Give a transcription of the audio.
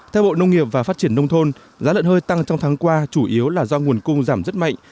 theo bộ nông nghiệp và phát triển nông thôn giá lợn hơi tăng trong tháng qua chủ yếu là do nguồn cung giảm rất mạnh